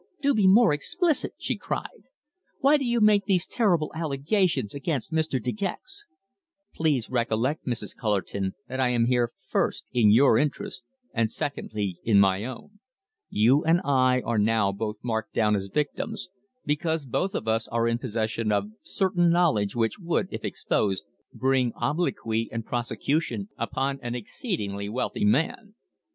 Do be more explicit," she cried. "Why do you make these terrible allegations against Mr. De Gex?" "Please recollect, Mrs. Cullerton, that I am here first in your interests, and secondly in my own. You and I are now both marked down as victims, because both of us are in possession of certain knowledge which would, if exposed, bring obloquy and prosecution upon an exceedingly wealthy man.